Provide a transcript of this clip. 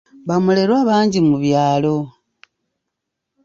Bamulerwa bangi mu byalo.